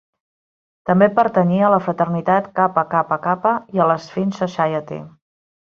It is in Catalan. També pertanyia a la fraternitat Kappa Kappa Kappa i a la Sphinx Society.